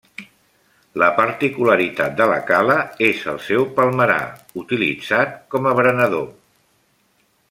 La particularitat de la cala és el seu palmerar, utilitzat com a berenador.